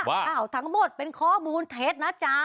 อ้าวทั้งหมดเป็นข้อมูลเท็จนะจ๊ะ